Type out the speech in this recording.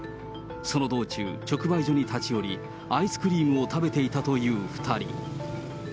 その道中、直売所に立ち寄り、アイスクリームを食べていたという２人。